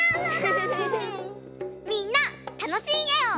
みんなたのしいえを。